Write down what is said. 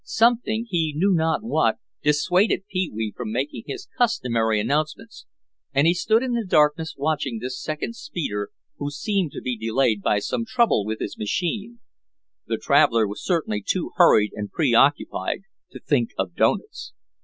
Something, he knew not what, dissuaded Pee wee from making his customary announcements and he stood in the darkness watching this second speeder who seemed to be delayed by some trouble with his machine. The traveler was certainly too hurried and preoccupied to think of doughnuts.